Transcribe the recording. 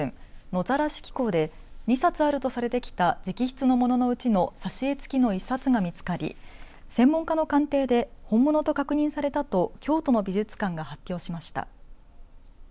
野ざらし紀行で２冊あるとされてきた直筆のもののうちの挿絵付きの１冊が見つかり専門家の鑑定で本物と確認されたと京都の美術館が発表しました。